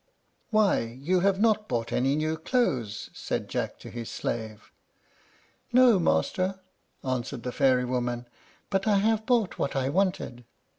"Why, you have not bought any new clothes!" said Jack to his slave. "No, master," answered the fairy woman; "but I have bought what I wanted."